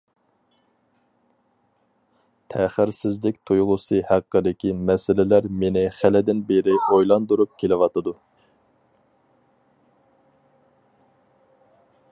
تەخىرسىزلىك تۇيغۇسى ھەققىدىكى مەسىلىلەر مېنى خېلىدىن بېرى ئويلاندۇرۇپ كېلىۋاتىدۇ.